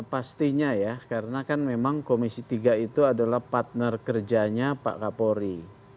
pastinya ya karena kan memang komisi tiga itu adalah partner kerjanya pak kapolri